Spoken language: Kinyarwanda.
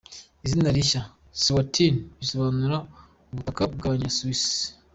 Izina rishya "eSwatini" bisobanura "ubutaka bw’Aba-Swazis".